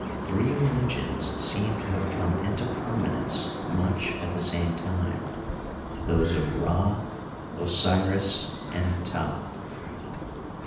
Three religions seem to have come into prominence much at the same time: those of Rd^ Osiris, and Ptah.